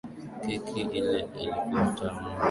Keki ile ilikuwa tamu.